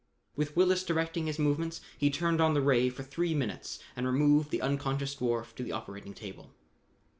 With Willis directing his movements, he turned on the ray for three minutes and removed the unconscious dwarf to the operating table.